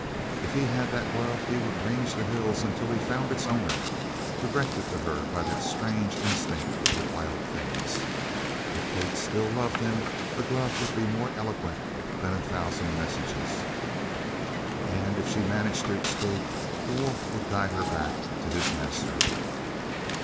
If he had that glove he would range the hills until he found its owner, directed to her by that strange instinct of the wild things. If Kate still loved him the glove would be more eloquent than a thousand messages. And if she managed to escape, the wolf would guide her back to his master.